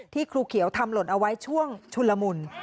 ครูเขียวทำหล่นเอาไว้ช่วงชุนละมุน